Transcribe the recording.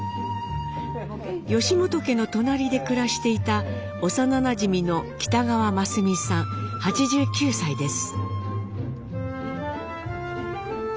本家の隣で暮らしていた幼なじみの北川マスミさん８９歳です。